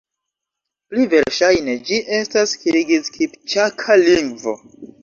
Pli verŝajne, ĝi estas kirgiz-kipĉaka lingvo.